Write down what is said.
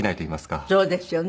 そうですよね。